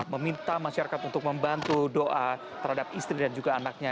meminta masyarakat untuk membantu doa terhadap istri dan juga anaknya